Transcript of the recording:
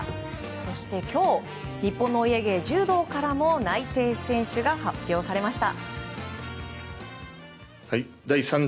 そして、今日日本のお家芸、柔道からも内定選手が発表されました。